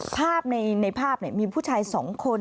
ภาพในในภาพเนี่ยมีผู้ชายสองคน